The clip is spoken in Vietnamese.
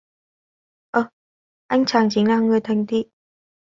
Anh chàng chính là người thành thị